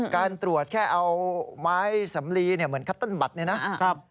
การตรวจแค่เอาไม้สำลีเหมือนคัปต้นบัตรนี่นะ